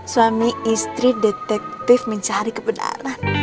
suami istri detektif mencari kebenaran